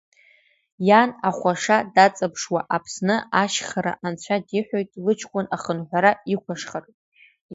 Иан ахәаша, даҵаԥшуа Аԥсны ашьхара, анцәа диҳәоит лыҷкәын ахынҳәра иқәашьхараз.